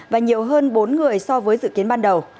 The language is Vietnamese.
và nhiều hơn bốn người so với dự kiến ban đầu